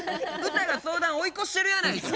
歌が相談追い越してるやないか。